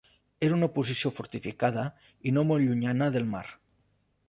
Era en posició fortificada i no molt llunyana de la mar.